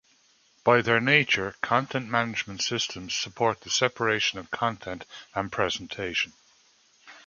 By their nature, content management systems support the separation of content and presentation.